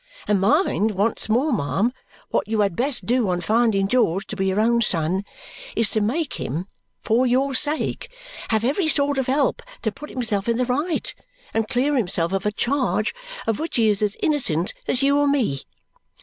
And mind once more, ma'am, what you had best do on finding George to be your own son is to make him for your sake have every sort of help to put himself in the right and clear himself of a charge of which he is as innocent as you or me.